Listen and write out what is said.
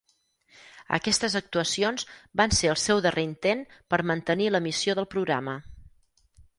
Aquestes actuacions van ser el seu darrer intent per mantenir l'emissió del programa.